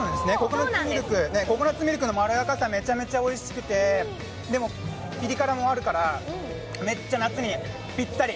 ココナッツミルクのまろやかさ、めちゃめちゃおいしくてでも、ピリ辛もあるから、めっちゃ夏にぴったり。